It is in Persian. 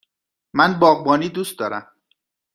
من باغبانی دوست دارم.